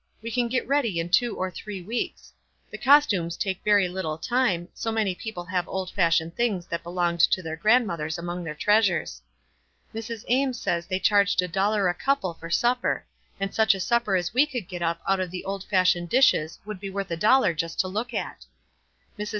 We can get ready in two or three weeks. The costume^ will take very little time, so many people have old fashioned things that belonged to their grandmothers among their treasures. Mrs Ames says they charged a dollar a couple for supper ; and such a supper as we could get up out of the old fashioned dishes would be worth a dollar just to look at. Mrs.